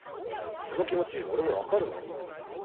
その気持ち俺も分かるもの。